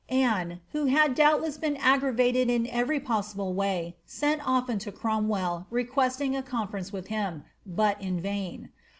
' Anne, who had doubUess been aggravated in every possi ble way, sent often to Cromwell, requesting a conference with him, but in vain.